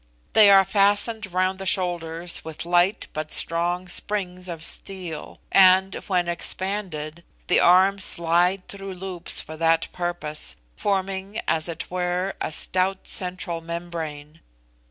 They are fastened round the shoulders with light but strong springs of steel; and, when expanded, the arms slide through loops for that purpose, forming, as it were, a stout central membrane.